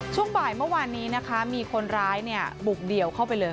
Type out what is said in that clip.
ช่วงบ่ายเมื่อวานนี้นะคะมีคนร้ายเนี่ยบุกเดี่ยวเข้าไปเลย